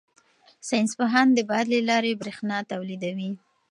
ساینس پوهان د باد له لارې بریښنا تولیدوي.